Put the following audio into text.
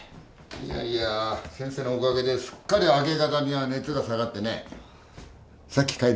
いやいや先生のおかげですっかり明け方には熱が下がってねさっき帰りました。